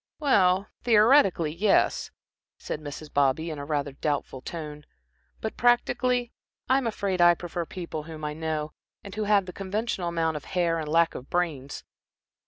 "Well, theoretically, yes," said Mrs. Bobby, in rather a doubtful tone, "but, practically, I'm afraid I prefer people whom I know, and who have the conventional amount of hair and lack of brains.